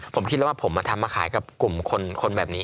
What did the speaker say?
ผมคิดแล้วว่าผมมาทำมาขายกับกลุ่มคนแบบนี้